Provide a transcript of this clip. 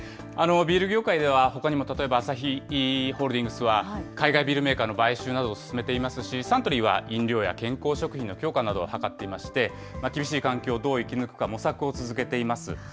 ビール業界では、ほかにも例えばアサヒホールディングスは海外ビールメーカーの買収などを進めていますし、サントリーは飲料や健康食品の強化などを図っていまして、厳しい環境をどう生き抜くか模索を続けています。